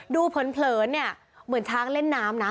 เผินเนี่ยเหมือนช้างเล่นน้ำนะ